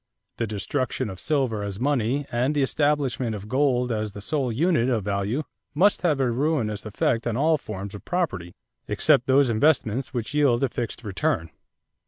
The destruction of silver as money and the establishment of gold as the sole unit of value must have a ruinous effect on all forms of property, except those investments which yield a fixed return."